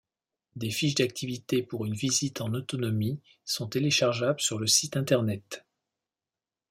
Des fiches d’activités pour une visite en autonomie sont téléchargeables sur le site internet.